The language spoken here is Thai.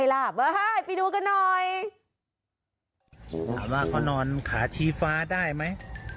ถามว่าเขานอนขาชี้ฟ้าได้ไหม